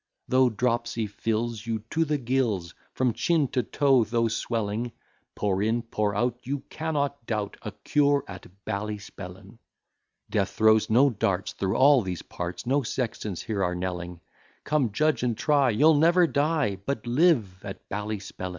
Though dropsy fills you to the gills, From chin to toe though swelling, Pour in, pour out, you cannot doubt A cure at Ballyspellin. Death throws no darts through all these parts, No sextons here are knelling; Come, judge and try, you'll never die, But live at Ballyspellin.